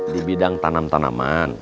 di bidang tanam tanaman